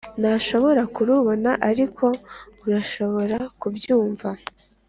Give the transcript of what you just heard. ntushobora kurubona ariko urashobora kubyumva